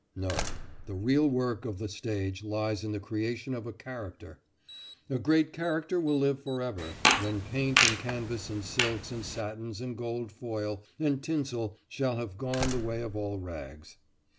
No; the real work of the stage lies in the creation of a character. A great character will live forever, when paint and canvas and silks and satins and gold foil and tinsel shall have gone the way of all rags.